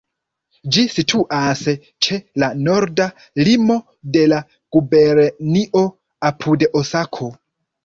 Ĝi situas ĉe la norda limo de la gubernio, apud Osako.